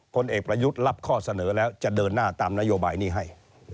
ผลเอกประยุทธ์รับข้อเสนอแล้วจะเดินหน้าตามนโยบายนี้ให้